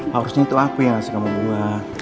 harusnya itu aku yang kasih kamu bunga